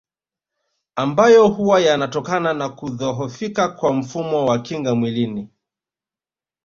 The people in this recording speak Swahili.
Ambayo huwa yanatokana na kudhohofika kwa mfumo wa kinga mwilini